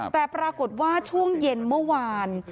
แต่ปรากฏว่าช่วงเย็นเมื่อวาน